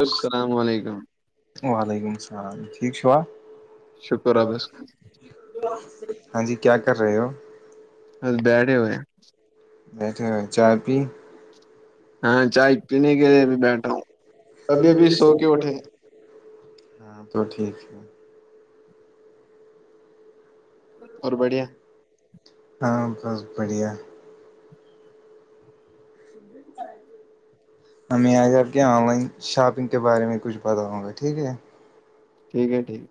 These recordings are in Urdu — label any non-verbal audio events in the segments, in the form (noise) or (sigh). الل السلام علیکم وعلیکم السلام ہاں ٹھیک چا شکر ہے بس ہاں جی کیا کر رہے ہو ے ہوئے اا چائے پی ہاں چائے پینے کے لیے بھی بیٹھا ہوں ابھی ابھی سو کے اٹھے ہیں ہاں تو ٹھیک ہے اور بڑھیا ہاں بس بڑھیا س ہم آ کر آ کے آن لائن شاپنگ کے بارے میں کچھ بتاؤں گا ٹھیک ہے ٹھیک ہے ٹھیک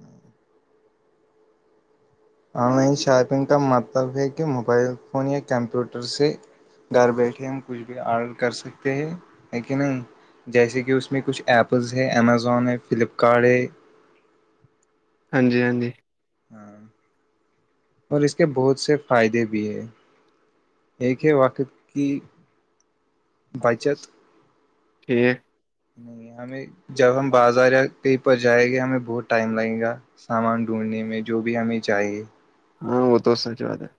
ہاں آن لائن شاپنگ کا مطلب ہے کہ موبائل فون یا کمپیوٹر سے ہے، گھر بیٹھے ہم کچھ بھی آرڈر کر سکتے ہیں ہے کہ نہیں جیسے کہ اس میں کچھ ایپلز ہے امزون ہے فلپکارٹ ہے ہاں جی ہاں جی ہاں اور اس کے بہت سے فائدے بھی ہے ایک ہے واق جی بچت ٹھ نہیں ہمیں جب ہم بازار کہیں پر جائیں گے ہمیں بہت ٹائم لگے گا سامان ڈھونڈنے میں جو بھی ہمیں چاہیے ہاں وہ تو سر جود ہے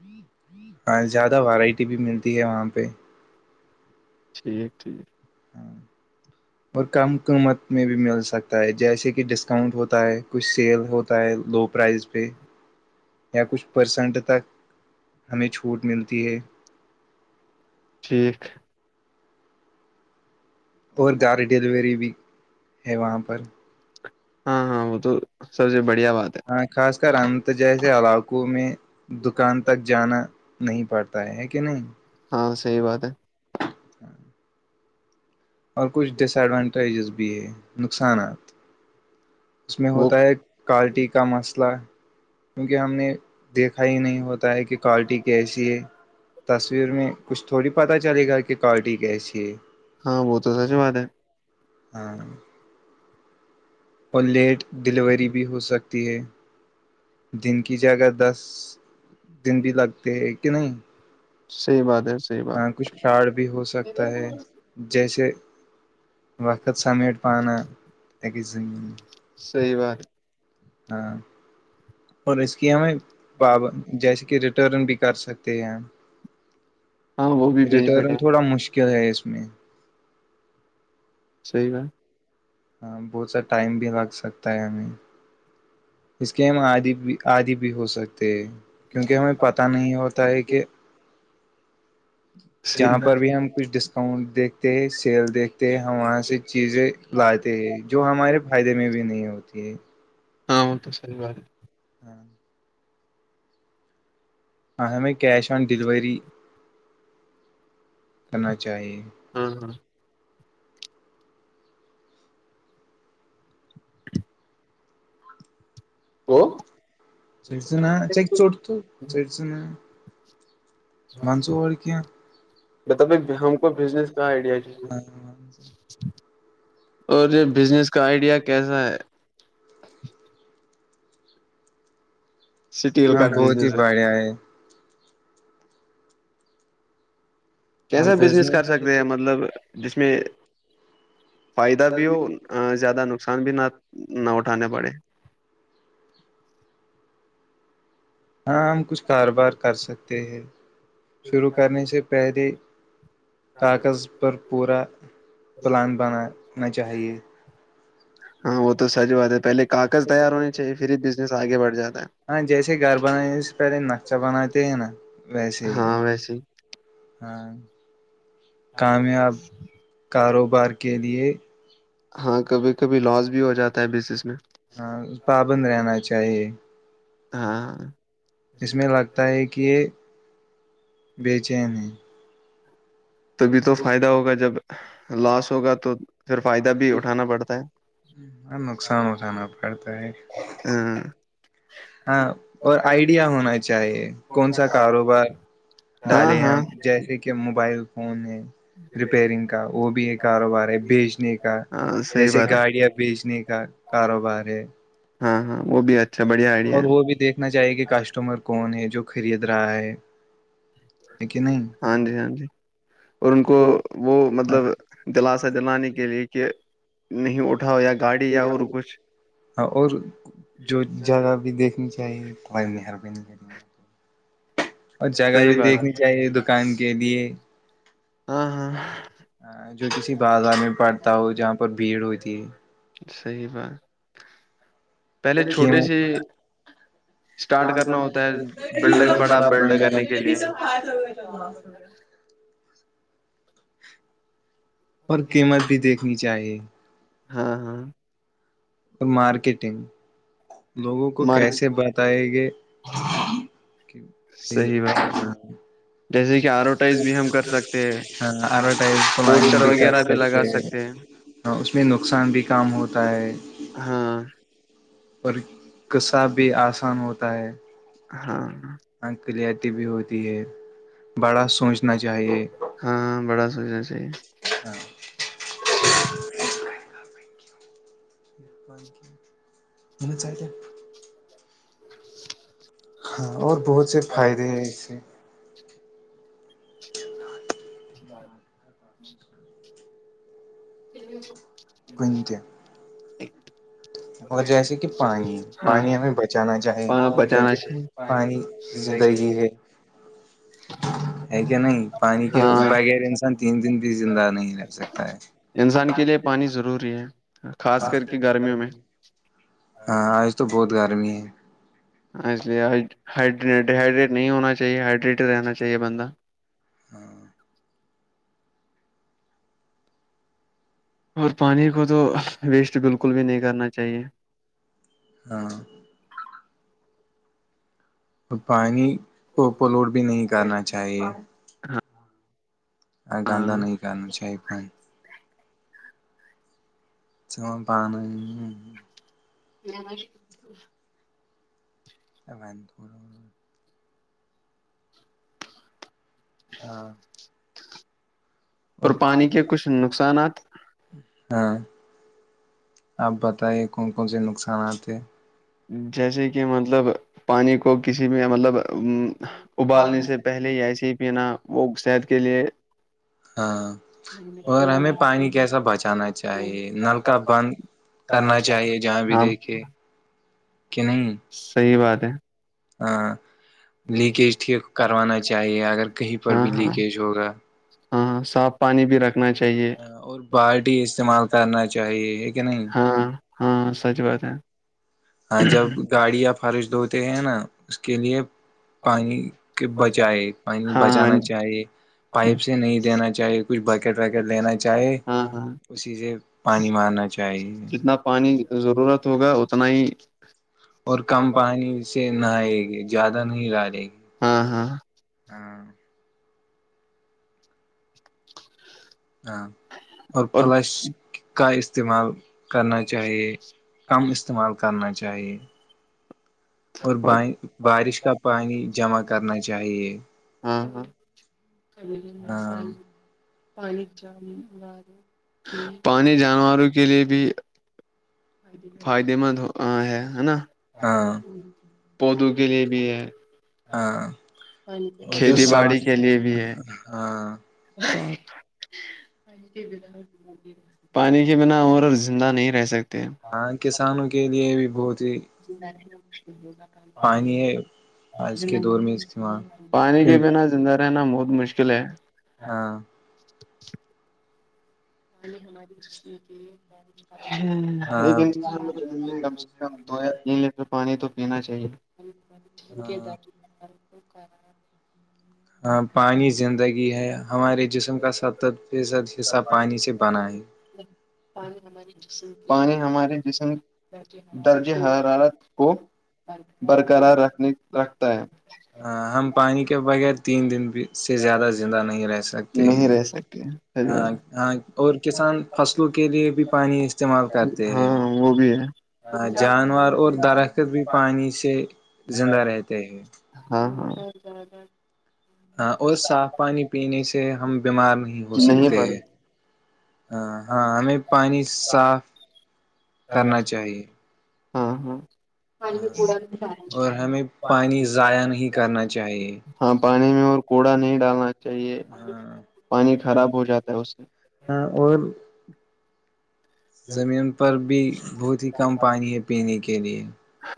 جی ہاں زیادہ ورائٹی بھی ملتی تی ہے وہاں پہ ٹھیک ٹھیک اور کم قیمت میں بھی مل سکتا ہے جیسے کہ ڈسکاؤنٹ ہوتا ہے کچھ سیل ہوتا ہے لو پرائز پہ یا کچھ پرسنٹ تک ہمیں چھوٹ ملتی ہے ٹھیک اور گاڑ ڈلیوری بھی ہے وہاں پر ہاں ہاں وہ تو سبزی بڑ ہاں خاص کر انت جیسے علاقوں میں دکان تک جانا نہیں پڑتا ہے کہ نہیں ہاں صحی بات ہے ہاں اور کچھ ڈس ایڈوانٹیجز بھی بھی ہے نقصانات اس میں وہ ہوتا ہے کوالٹی کا مسئلہ کیونکہ ہم نے دیکھا ہی نہیں ہوتا ہے کہ کوالٹی کیسی ہے تصویر میں کچھ تھوڑی پتا چلے گا کہ کی کوالٹی کیسی ہے ہاں وہ تو سچ بات ہے ہاں اور لیٹ ڈیلیوری بھی ہو سکتی ہے دن کی جگہ دس دن بھی لگتے ہیں تین صحیح بات ہے صحیح ہاں کچھ فراڈ بھی ہو سکتا ہے بات جیسے وقت سمیٹ پانا کہ جن صحی بات ہاں اور اس ہے، کی ہمیںاب جیسے کہ ریٹرن بھی کر سکتے ہیں ہم ہاں وہ بھی بینیفٹ ریٹرن ہے تھوڑا مشکل ہے اس میں صحیح بات ہاں بہت سا ٹائم بھی لگ سکتا ہے ہمیں اس کے ہم آدی بھی آدی بھی ہو سکتے ہیں کیونکہ ہمیں بات پتہ نہیں ہوتا ہے کہ صحیح جہاں پر بھی ہم کچھ ڈسکاؤنٹ دیکھ کہ سیل دیک ت ہم وہاں سے چیزیں لاتے ہیں جو بات ہمارے فائدے میں بھی نہیں ہوتی کہ ہاں وہ تو سر باار ہاں آیں ہم کیش آن ڈلوری کرنا چاہیے ہاں ہاں وہ چھر سےنا چیک چوٹ تو چر سےنا وان سا اور کیا بتابے ہم کو بزنس کا آئیڈیا چاہیے اور یہ بزنس کا آئیڈیا کیسا ہے سٹیل ہاں کا بہت ہی بزنس بڑیا ہے کیسا بزنس کر سکتے ہیں مطلب جس میں فائدہ بھی ہو زیادہ نقصان بھی نہ نہ اٹھانے پڑے ہاں ہم کچھ کاروبار کر سکتے ہیں شروع کرنے سے پہلے کاغذ پر پورا پلان بنا نہ چاہیے ہاں وہ تو سچی بات ہے پہلے کاغذ تیار ہونے چاہیے پھر ہی بزنس آگے بڑھ جاتا ہے ہاں جیسے گھر بنانے سے پہلے نکشہ بناتے ہیں نا ویسے ہی ہاں ویسے ہی ہاں کامیاب کاروبار کے لے ہاں کبھی کبھی لاس بھی ہو جاتا ہے بزس میں ہاں پابند رہنا چاہیے ہاں اس میں لگتا ہے کہ یہ بی چ نہیں تبھی تو فائدہ ہوگا جب لاس ہوگا تو پھر یا فائدہ بھی اٹھانا پڑتا ہے ہ نقصان اٹھانا پڑتا ہے ہاں اور آئیڈیا ہونا چاہیے کون سا ہاں کاروبار ڈالے ہم ہاں ہاں جیسے کہ موبائل فون ہے ریپرینگ کا وہ بھی یہ کاروبار ہے بیچنے کا ہاں صحیح جیسے بات ہے گاڑیاں بیچنے کا کاروبار ہے ہاں ہاں وہ بھی اچھ اور وہ بھی دیکھنا چاہیے کہ کسٹمر کون ہے جو خرید رہا ہے ہاں جی ہاں جی اور ان کو وہ مطلب دلاسا دلانے کے لیے کہ نہیں اٹھاؤ یا گاڑی یا اور کچھ اں اور جو جگہ بھی دیکھنی چاہیے (unintelligible) اور جگہ صحیح بھی بات دیکھنی چاہیے دکان کی کے لیے ہاں ہاں جو کسی بازار میں پڑتا ہو جہاں پر بھیڑ ہو ت صحیح بات پہلے ہے چھوٹے سے قیمت اسٹارٹ کرنا ہوتا ہے بلڈ بڑا بلڈ کرنے کے لیے اور قیمت بھی دیکھنی چاہیے ہاں ہاں مارکیٹنگ لوگوں کو مارک کیسے بتائے گے کہ پھر صحیح بات جیسے کہ ایڈورٹائز بھی ہم کر سکتے ہیں ہاں ایڈورٹائزائن بھی کر سکتے ہیں ہ اس میں نقصان بھی کام ہوتا ہے ہاں اور قصہ بھی آسان ہوتا ہے ہاں ہاں کلیئرٹی بھی ہوتی ہے بڑا سوچنا چاہیے ہاں بڑا سوچس ہاں (unintelligible) منا چاہاہ کیا ج ہاں اور بہت سے فائدے ہیں اس سے (inaudible) جی کنت اور جیسے کہ پانی پانی ہاں ہمیں بچانا چاہے بچانا کیونکہ چاہیے پانی زندگی ہے ہے کیا نہیں پانی کے ہاں بغیر انسان تین دن بھی زندہ نہیں رہکھ سکتا ہے انسان کے لیے پانی ضروری ہے خاص کر کے گرمیوں میں ہاں آج تو بہت گرمی ہے اس اس لی ہ ہائڈریٹ نہیں ہونا چاہیے ہائڈریٹ رہنااہے (unintelligible) (inaudible) ہاں اور پانی کو تو ویسٹ بالکل بھی نہیں کرنا چاہیے ہاں پانی اوپلوڈ بھی نہیں کرنا چاہیے ہاں گندا نہیں (unintelligible) (inaudible) پانی ج اب ہاں اور پانی کے کچھ نقصانات ہاں آپ بتائیے کون کو سے نقصانات ہے جیسے کہ مطلب پانی کو کسی بھی مطلب ہ ابالنے سے وہ صحت کے لیے ہاں اور ہمیں پانی کیسا بچانا چاہیے نل کا بند کرنا چاہیے جہاں بھی دیکھے کہ نہیں صحی بات ہے ہاں لیکیج ٹھیک کروانا چاہیے اگر کہیں پر ہاں بھی ہاں لیکیج ہوگا ہاں ہاں صاف پانی بھی رکھنا چاہیے اور بالٹی استعمال کرنا چاہیے کہ نہیں ہاں ہاں سچ بات ہے ہاں جب گاڑیاں فرش دھوتے ہیں نا اس کے لیے پانی کے بچائے پانی ہاں ہاں بچانا چاہیے پائپ سے نہیں دینا چاہیے کچھ بکٹ وکیٹ لینا چاہے ہاں ہاں اسی سے پانی مارنا چاہیے جتنا پانی ضرورت ہوگا اتنا ہی اور کم پانی سے نہائے گی زیادہ نہیں ڈالے گی ہاں ہاں ہاں ہاں اور فلش کا استعمال کرنا چاہئے کم استعمال کرنا چاہیے اور ب ہاں بارش کا پانی جمع کرنا چاہیے خبلہس ہاں پانی جام پانی جانوروں کے لیئے بھی فائد مند ہے ہے نا ہاں پودوں کے لیے بھی ہے ہاں اور جو کھیتی سب باڑی کے لیے بھی ہے ہاں پانی کے بنا اور زندہ نہیں رہ سکتے ہاں کسانوں کے لیے بھی بہت ہی پانی ہے آج کے دور میں استعمال پانی کے کیوں بنا زندہ رہنا مت مشکل ہے ہاں ہم ہماری کے ایک ہاں انسان کو دن میں کم سے کم دو یا تین لیٹر پانی تو پینا چاہیے ٹھیک ہے ت ہاں توک ہاں پانی زندگی ہے ہمارے جسم کا ستر فیصد حصہ پانی سے بنا ہے پانی ہمارے جسم درجہ حرارت کو برقرارکھ رکھتا ہے ہم پانی کے بغیر تین دن بھی سے زیادہ زندہ نہیں رہ سکتے نہیں ہیں رہ سکتے ہ ہ اور کسان فصلوں کے لیے بھی پانی استعمال کرتے ہاں وہ ہیں بھی ہے جانور اور درخت بھی پانی سے ج زندہ رہتے ہیں ہ ج ہ ہاں اور صاف پانی پینے سے سے ہم بیمار نہیں ہو سکتے ہیں ہاں ہاں ہمیں پانی صاف کرنا چاہیے ہاں ہاں اور ہمیں پانی ضائع نہیں کرنا چاہیے ہاں پانی میں اور کوڑا نہیں (inaudible) چاہیے ہاں پانی خراب ہو جاتا ہے اس سے ہاں اور زمین پر بھی بہت ہی کم پانی ہے پینے کے لیئے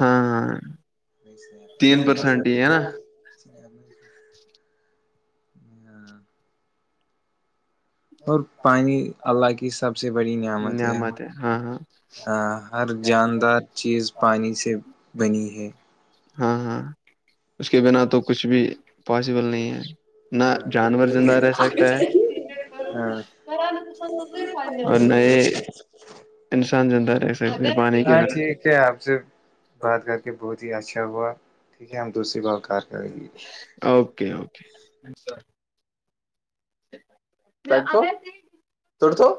ہاں ہاں تین پرسینٹ پرسٹ ہی ہے کیا نا جد اور پانی اللہ کی سب سے بڑی نعمت ہے ا ہر جاندار چیز پانی سے بنی ہے ہاں ہاں اس کے بنا تو کچھ بھی پاسبل نہیں ہے نہ جانور زندہ رہ سکتا ہے ہاں اور نئے انسان ج (inaudible) ہاں ٹھیک ہے آپ سے بات کر کے بہت ہی اچھا (inaudible) دوسری بار کار کریں گے اوکے اوکے کو توڑ توو